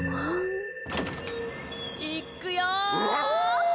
行っくよ！